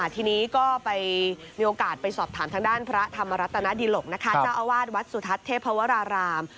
ทีนี้ก็ไปมีโอกาสไปสอบถามทางด้านพระธรรมรัตนดิหลกนะคะเจ้าอาวาสวัดสุทัศน์เทพวราราม